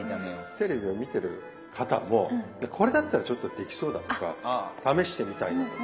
テレビを見てる方もこれだったらちょっとできそうだとか試してみたいだとか。